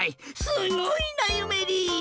すごいなゆめり！